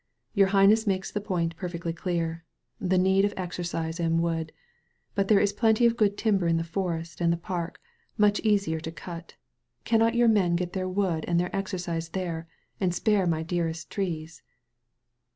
""Your High ness makes the point perfectly dear — ^the need of exercise and wood. But there is plenty of good timber in the forest and the park — ^much easier to cut. Cannot your men get their wood and their exercise there, and spare my dearest trees?"